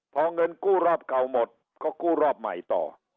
พอเงินกู้รอบเก่าหมดก็กู้รอบใหม่ต่อ